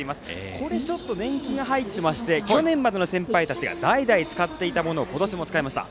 これ、ちょっと年季が入っていまして去年までの先輩たちが代々使っていたものを今年も使いました。